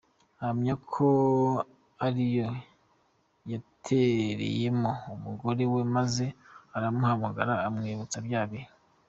ahamya ko ariyo yatereteyemo umugore we maze aramuhamagara amwibutsa bya bihe